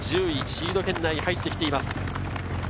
１０位シード圏内に入ってきています。